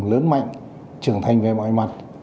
lớn mạnh trưởng thành về mọi mặt